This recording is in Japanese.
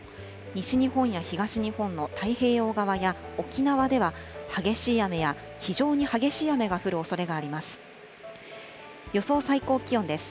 西日本や東日本の太平洋側や沖縄では、激しい雨や非常に激しい雨が降るおそれがあります。